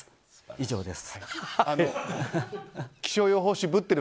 以上です。